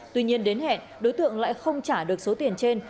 tuy nhiên đến hẹn đối tượng lại không trả được số tiền trên